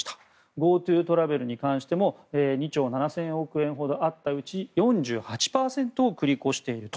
ＧｏＴｏトラベルに関しても２兆７０００億円ほどあったうち４８％を繰り越していると。